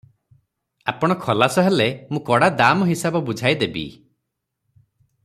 ଆପଣ ଖଲାସ ହେଲେ ମୁଁ କଡ଼ା ଦାମ ହିସାବ ବୁଝାଇଦେବି ।"